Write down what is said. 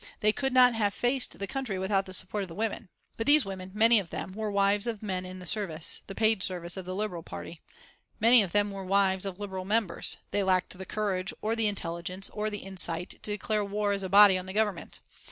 They could not have faced the country without the support of the women. But these women, many of them, were wives of men in the service, the paid service of the Liberal Party. Many of them were wives of Liberal members. They lacked the courage, or the intelligence, or the insight, to declare war as a body on the Government.